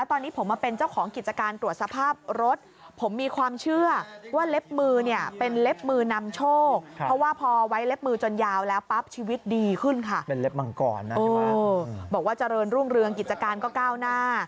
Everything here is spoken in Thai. โอ้บอกว่าเจริญรุ่งเรืองกิจการก็ก้าวหน้า